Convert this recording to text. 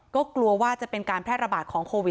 ก็กลัวว่าจะเป็นการแพร่ระบาดของโควิด